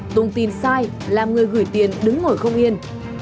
tung tin sai làm người gửi tiền đứng ngồi không yên